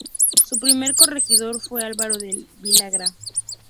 Su primer corregidor fue Álvaro de Villagra.